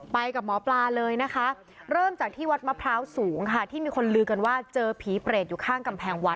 ไปกับหมอปลาเลยนะคะเริ่มจากที่วัดมะพร้าวสูงค่ะที่มีคนลือกันว่าเจอผีเปรตอยู่ข้างกำแพงวัด